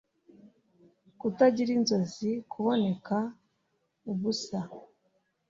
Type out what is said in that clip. kutagira inzozi, kuboneka ubusa.